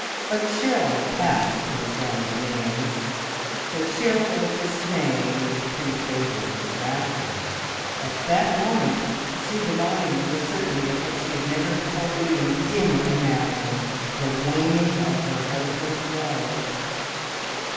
A chill passed through Joan's veins, the chill of dismay which presages disaster. At that moment she divined the certainty of what she had never before even dimly imagined the waning of her husband's love.